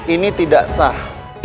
ini tidak sah